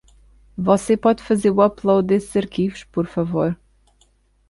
Você pode fazer o upload desses arquivos, por favor?